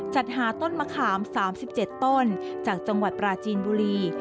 จัดหาต้นมะขาม๓๗ต้นจากจังหวัดปราจีนบุรี